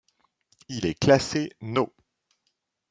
Il est classé No.